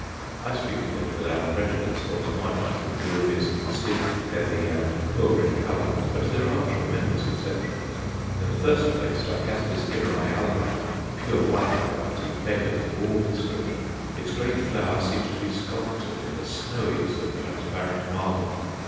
I speak of it without prejudice, for to my mind the bloom is stiff, heavy, and poor in colour. But there are tremendous exceptions. In the first place, Lycaste Skinneri alba, the pure white variety, beggars all description. Its great flower seems to be sculptured in the snowiest of transparent marble.